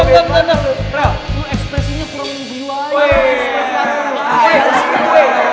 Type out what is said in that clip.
ekspresinya kurang lebih lain